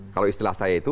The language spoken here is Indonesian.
kalau istilah saya itu